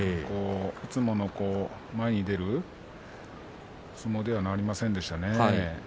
いつもの前に出る相撲ではありませんでしたね。